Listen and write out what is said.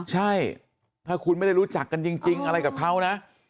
ใช่ถ้าคุณไม่ได้รู้จักกันจริงอะไรกับเขานะ